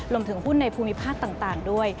รวมถึงหุ้นในภูมิภาคต่างด้วย